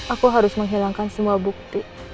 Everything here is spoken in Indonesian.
aku harus menghilangkan semua bukti